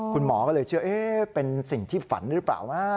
คุณหมอก็เลยเชื่อเป็นสิ่งที่ฝันหรือเปล่านะ